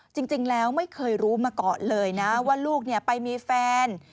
จริงแล้วไม่เคยรู้มาก่อนเลยนะว่าลูกไปมีแฟน